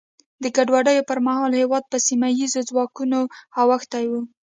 د ګډوډیو پر مهال هېواد په سیمه ییزو ځواکونو اوښتی و.